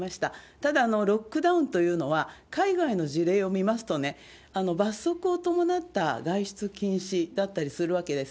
ただ、ロックダウンというのは海外の事例を見ますとね、罰則を伴った外出禁止だったりするわけです。